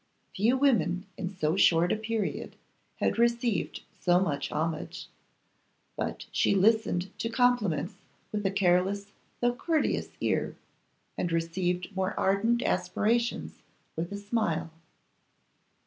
Few women in so short a period had received so much homage; but she listened to compliments with a careless though courteous ear, and received more ardent aspirations with a smile.